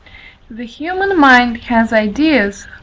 The human mind has ideas (II.